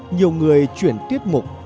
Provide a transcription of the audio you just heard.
nhiều người chuyển tiết mục